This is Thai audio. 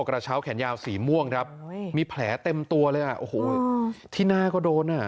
กระเช้าแขนยาวสีม่วงครับมีแผลเต็มตัวเลยอ่ะโอ้โหที่หน้าก็โดนอ่ะ